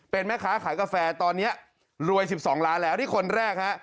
เป็นมั้ยคะขายกาแฟตอนนี้รวยสิบสองล้านแล้วนี่คนแรกฮะ